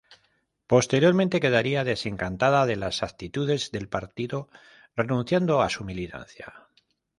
Posteriormente quedaría desencantado de las actitudes del partido, renunciando a su militancia.